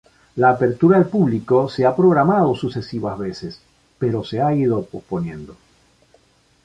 La apertura al público se ha programado sucesivas veces, pero se ha ido posponiendo.